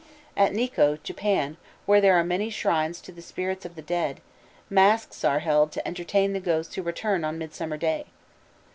At Nikko, Japan, where there are many shrines to the spirits of the dead, masques are held to entertain the ghosts who return on Midsummer Day.